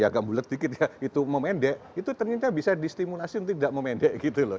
agak bulat dikit ya itu memendek itu ternyata bisa distimulasi untuk tidak memedek gitu loh